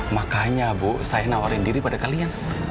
makanya bu saya nawarin diri pada kalian